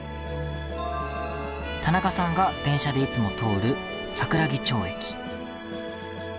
田中さんが電車でいつも通る桜木町駅。